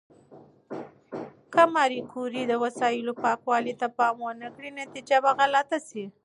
که ماري کوري د وسایلو پاکوالي ته پام ونه کړي، نتیجه به غلطه شي.